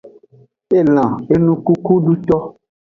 Elan enukukuduto.